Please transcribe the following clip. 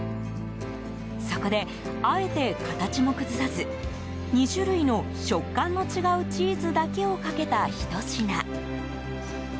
そこで、あえて形も崩さず２種類の食感の違うチーズだけをかけた、ひと品。